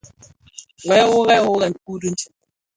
Wè wuorèn wuorèn dhi dikuu ditsem.